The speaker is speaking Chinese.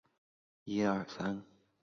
他主张综合治理黄河下游。